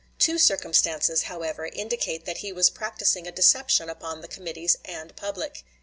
Two circumstances, however, indicate that he was practicing a deception upon the committees and public.